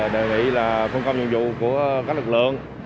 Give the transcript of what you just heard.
đề nghị phân công dụng dụng của các lực lượng